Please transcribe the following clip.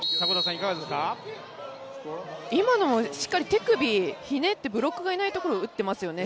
今のも、しっかり手首ひねって、ブロックがいないところを打っていますよね。